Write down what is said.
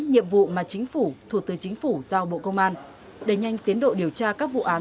nhiệm vụ mà chính phủ thủ tư chính phủ giao bộ công an đẩy nhanh tiến độ điều tra các vụ án